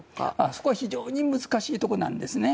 そこは非常に難しいところなんですね。